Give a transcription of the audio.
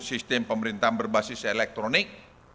yang pemerintah berbasis elektronik